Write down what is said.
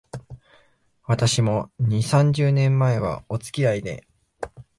私も、二、三十年前は、おつきあいで